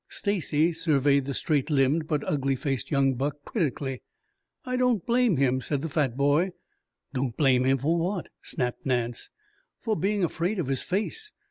Stacy surveyed the straight limbed but ugly faced young buck critically. "I don't blame him," said the fat boy. "Don't blame him for what?" snapped Nance. "For being afraid of his face.